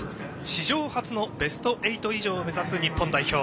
史上初のベスト８以上を目指す日本代表。